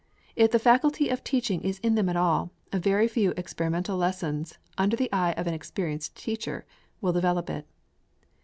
If the faculty of teaching is in them at all, a very few experimental lessons, under the eye of an experienced teacher, will develop it.